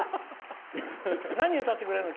何歌ってくれるの？